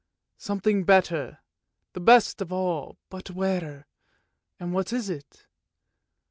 Something better, the best of all, but where, and what is it